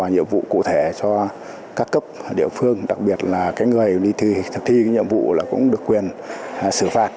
nhiệm vụ cụ thể cho các cấp địa phương đặc biệt là cái người đi thi nhiệm vụ là cũng được quyền sửa phạt